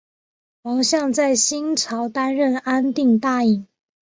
王向在新朝担任安定大尹。